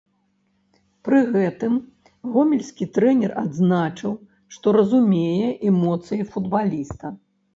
Пры гэтым гомельскі трэнер адзначыў, што разумее эмоцыі футбаліста.